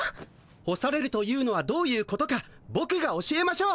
干されるというのはどういうことかボクが教えましょう。